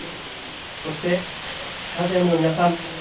そして、スタジアムの皆さん。